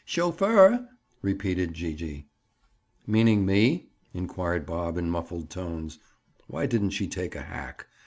"Chauffeur!" repeated Gee gee. "Meaning me?" inquired Bob in muffled tones. Why didn't she take a hack?